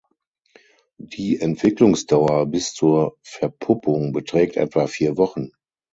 Die Entwicklungsdauer bis zur Verpuppung beträgt etwa vier Wochen.